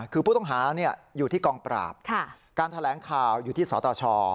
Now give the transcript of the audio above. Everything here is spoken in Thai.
คือผู้ต้องหาอยู่ที่กองปราบการแถลงข่าวอยู่ที่สตช